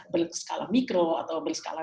berskala mikro atau berskala